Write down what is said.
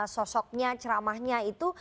sosoknya ceramahnya itu